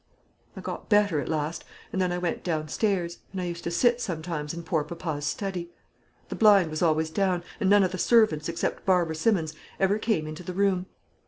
"I got better at last, and then I went downstairs; and I used to sit sometimes in poor papa's study. The blind was always down, and none of the servants, except Barbara Simmons, ever came into the room.